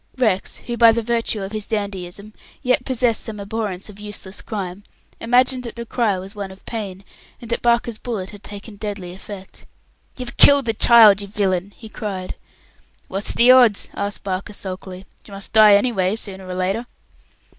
Rex, who, by the virtue of his dandyism, yet possessed some abhorrence of useless crime, imagined that the cry was one of pain, and that Barker's bullet had taken deadly effect. "You've killed the child, you villain!" he cried. "What's the odds?" asked Barker sulkily. "She must die any way, sooner or later."